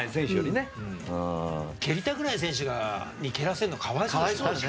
蹴りたくない選手に蹴らせるのは可哀想ですし。